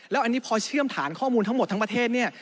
แล้วอันนี้พอเชื่อมฐานข้อมูลทั้งหมดทั้งประเทศเนี่ย